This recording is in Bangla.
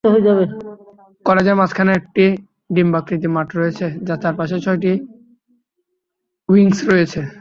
কলেজের মাঝখানে একটি ডিম্বাকৃতি মাঠ রয়েছে যার চারপাশে ছয়টি উইংস রয়েছে।